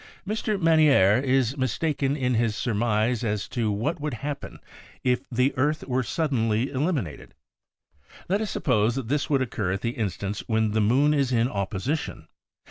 Mr. Manierre is mistaken in his surmise as to what would happen if the earth were suddenly eliminated. Let us suppose that this would oc cur at the instant when the moon is in opposition.